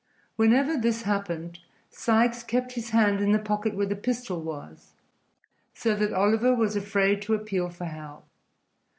Whenever this happened Sikes kept his hand in the pocket where the pistol was, so that Oliver was afraid to appeal for help.